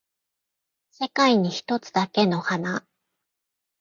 世界に一つだけの花